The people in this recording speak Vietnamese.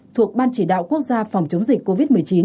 thuộc ban chỉ đạo quốc gia phòng chống dịch covid một mươi chín